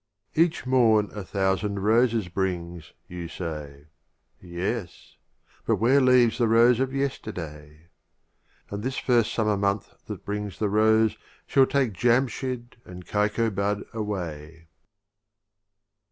5 RuWiyat Each Morn a thousand Roses brings, of Omar &' Khayyam Y™ Say; Yes, but where leaves the Rose of Yesterday ? And this first Summer month that brings the Rose Shall take Jamshyd and Kaikobad away.